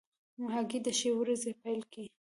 هګۍ د ښې ورځې پیل دی.